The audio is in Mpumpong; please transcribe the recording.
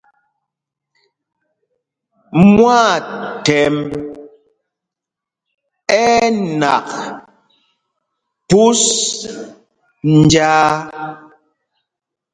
Mwâthɛmb ɛ́ ɛ́ nak phūs njāā.